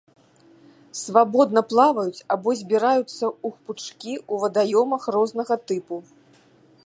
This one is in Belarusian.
Свабодна плаваюць або збіраюцца ў пучкі ў вадаёмах рознага тыпу.